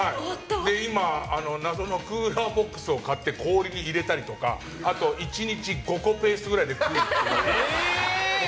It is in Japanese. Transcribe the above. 今、謎のクーラーボックスを買って氷に入れたりとかあと、１日５個ペースぐらいで食うようにしてる。